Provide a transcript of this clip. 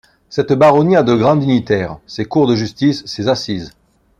Cette baronnie a ses grands dignitaires, ses cours de justice, ses assises.